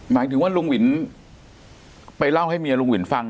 หมายถึงว่าลุงหวินไปเล่าให้เมียลุงวินฟัง